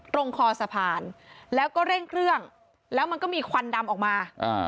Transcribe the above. คอสะพานแล้วก็เร่งเครื่องแล้วมันก็มีควันดำออกมา